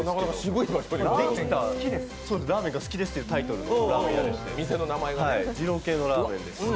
ラーメンが好きですというタイトルのラーメン屋でして二郎系のラーメンです。